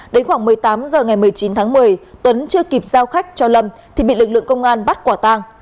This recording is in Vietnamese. đến khoảng một mươi tám h ngày một mươi chín tháng một mươi tuấn chưa kịp giao khách cho lâm thì bị lực lượng công an bắt quả tang